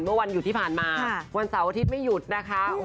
เมื่อวันหยุดที่ผ่านมาวันเสาร์อาทิตย์ไม่หยุดนะคะ